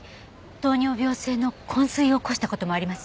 糖尿病性の昏睡を起こした事もあります。